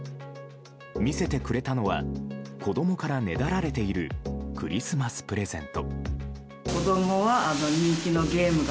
見せてくれたのは子供からねだられているクリスマスプレゼント。